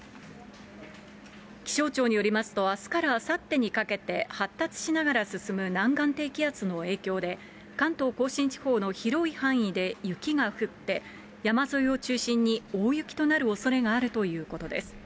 気象庁によりますと、あすからあさってにかけて、発達しながら進む南岸低気圧の影響で、関東甲信地方の広い範囲で雪が降って、山沿いを中心に大雪となるおそれがあるということです。